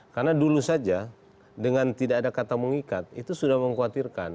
karena dulu saja dengan tidak ada kata mengikat itu sudah mengkhawatirkan